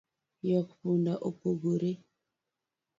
Ywak punda opogore